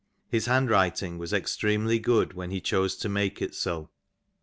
His hand writing was extremely good when he chose to make it so.